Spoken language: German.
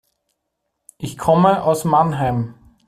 Ich komme aus Mannheim